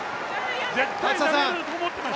絶対投げると思ってました。